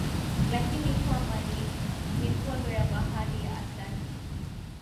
lakini kwamba ni mikondo ya Bahari ya Atlantiki